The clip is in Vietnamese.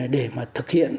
để mà thực hiện